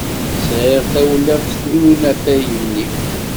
Sɛiɣ tawlaf n unafag-nni.